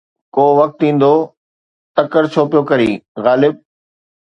ڪو وقت ايندو، تڪڙ ڇو پيو ڪرين غالب!